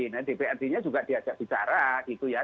nah dprd nya juga diajak bicara gitu ya